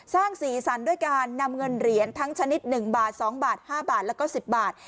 สร้างศรีสรรค์ด้วยการนำเงินเหรียญทั้งชนิดหนึ่งบาทสองบาทห้าบาทแล้วก็สิบบาท